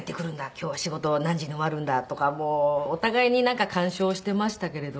今日は仕事何時に終わるんだとかお互いに干渉していましたけれども。